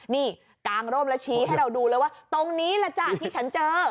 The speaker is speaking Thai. นี่กางร่มแล้วชี้ให้เราดูเลยว่าตรงนี้แหละจ้ะที่ฉันเจอ